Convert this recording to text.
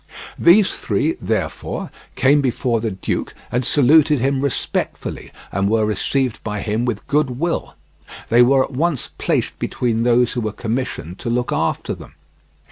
These three, therefore, came before the duke and saluted him respectfully, and were received by him with goodwill; they were at once placed between those who were commissioned to look after them.